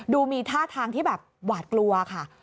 ดูมีท่าทางที่แบบหวาดกลัวค่ะ